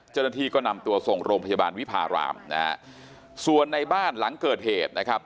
เจ้าหน้าที่ก็นำตัวส่งโรงพยาบาลวิพารามนะฮะส่วนในบ้านหลังเกิดเหตุนะครับ